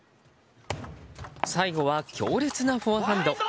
最後は強烈なフォアハンド！